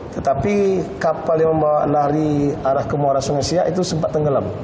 tetapi kapal yang membawa nari arah ke muara sungai siak itu sempat tenggelam